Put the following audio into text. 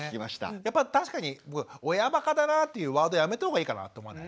やっぱ確かに「親バカだな」っていうワードやめたほうがいいかなって思わない？